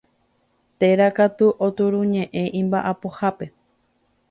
Térã katu oturuñe'ẽ imba'apohápe.